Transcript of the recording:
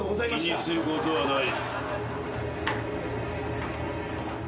気にすることはない。